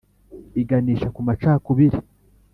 Iganisha ku macakubiri